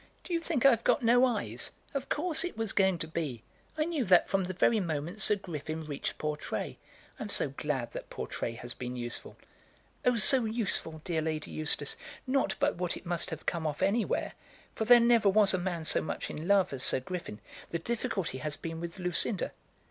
"Do you think I've got no eyes? Of course it was going to be. I knew that from the very moment Sir Griffin reached Portray. I am so glad that Portray has been useful." "Oh, so useful, dear Lady Eustace! Not but what it must have come off anywhere, for there never was a man so much in love as Sir Griffin. The difficulty has been with Lucinda."